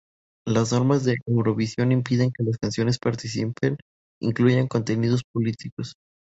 Las normas de Eurovisión impiden que las canciones participantes incluyan contenidos políticos.